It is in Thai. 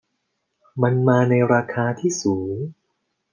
มันมาในราคาที่สูง